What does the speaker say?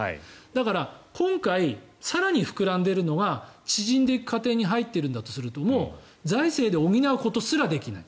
だから、今回更に膨らんでいるのが縮んでいく過程に入っているんだとするともう財政で補うことすらできない。